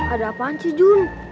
ada apaan sih jun